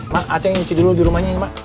mak ah ceng nyuci dulu di rumahnya mak